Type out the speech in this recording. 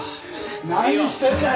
何してるんだよ！